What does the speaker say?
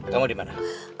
kamu di mana